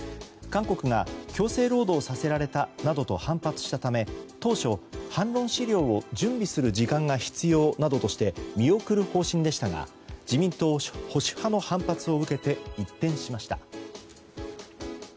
韓国が強制労働させられたなどと反発したため当初、反論資料を準備する時間が必要などとして見送る方針でしたが自民党保守派の反発を受けて一転しました。